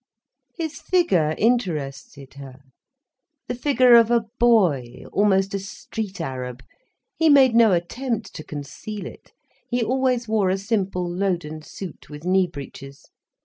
His figure interested her—the figure of a boy, almost a street arab. He made no attempt to conceal it. He always wore a simple loden suit, with knee breeches.